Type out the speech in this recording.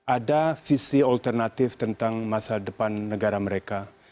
ada visi alternatif tentang masa depan negara mereka